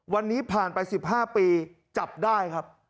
วันนี้ผ่านไป๑๕ปีจับได้ครับ